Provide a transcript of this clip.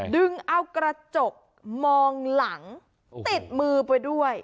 ดึงเอากระจกมองหลังติดมือไปด้วย